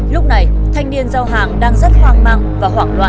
lúc này thanh niên giao hàng đang rất hoang mang và hoảng loạn